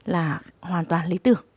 là hoàn toàn lý tưởng